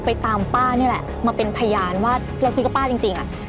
ตามป้านี่แหละมาเป็นพยานว่าเราซื้อกับป้าจริงอ่ะ